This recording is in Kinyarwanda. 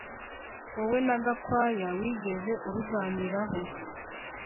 Wowe na Gakwaya wigeze ubiganiraho